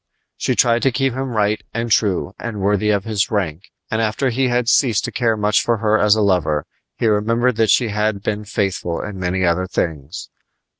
She tried to keep him right and true and worthy of his rank; and after he had ceased to care much for her as a lover he remembered that she had been faithful in many other things.